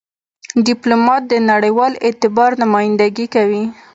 ډيپلومات د نړېوال اعتبار نمایندګي کوي.